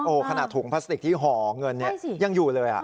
ขนาดถุงพลาสติกที่ห่อเงินเนี่ยยังอยู่เลย